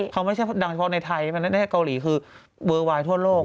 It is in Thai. เขาไม่ใช่ดังเฉพาะในไทยเกาหลีคือเวอร์ไวน์ทั่วโลก